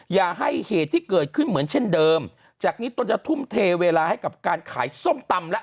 อย่าให้เหตุที่เกิดขึ้นเหมือนเช่นเดิมจากนี้ตนจะทุ่มเทเวลาให้กับการขายส้มตำแล้ว